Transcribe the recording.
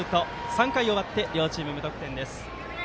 ３回終わって両チーム無得点です。